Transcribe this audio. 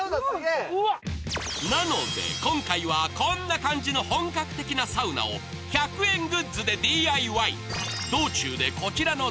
なので、今回はこんな感じの本格的なサウナを、１００円グッズでＤＩＹ。